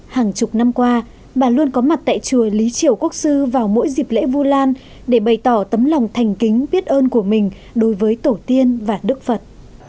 hàng chục năm qua bà luôn có mặt tại chùa lý triều quốc sư vào mỗi dịp lễ vu lan để bày tỏ tấm lòng thành kính biết ơn của mình đối với tổ tiên và đức phật